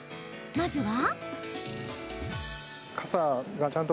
まずは。